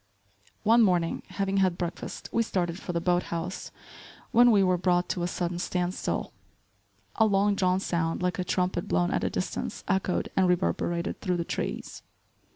One morning, having had breakfast, we started for the boat house, when we were brought to a sudden stand still. A long drawn sound like a trumpet blown at a distance echoed and reverberated through the trees.